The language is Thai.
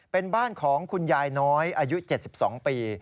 เป็นบ้านของคุณยายน้อยอายุ๗๒ปี